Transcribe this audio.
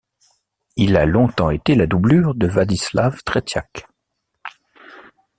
Il a longtemps été la doublure de Vladislav Tretiak.